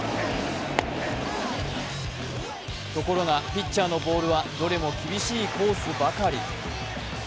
ところが、ピッチャーのボールはどれも厳しいコースばかり。